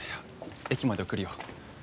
駅まで送るよ。